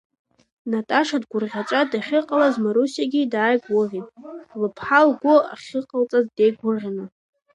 Наташа дгәырӷьаҵәа дахьыҟалаз, Марусиагьы дааигәырӷьеит, лыԥҳа лгәы ахьыҟалҵаз деигәырӷьаны.